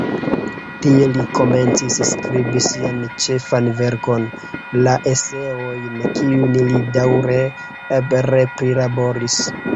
Tie li komencis skribi sian ĉefan verkon, la "Eseojn", kiujn li daŭre re-prilaboris.